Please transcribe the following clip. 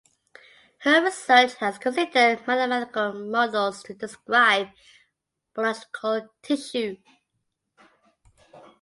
Her research has considered mathematical models to describe biological tissue.